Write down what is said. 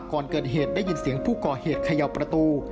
ก่อนเกิดเหตุได้ยินเสียงผู้ก่อเหตุเขย่าประตู